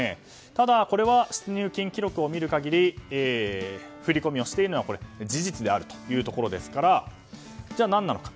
ただ、これは出入金記録を見る限り振り込みをしているのは事実であるということなのでじゃあ、何なのか。